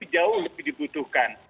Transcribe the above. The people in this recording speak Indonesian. jauh lebih dibutuhkan